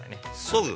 ◆そぐ。